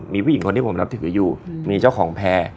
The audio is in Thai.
มีผู้หญิงคนที่ผมนับถืออยู่มีเจ้าของแพร่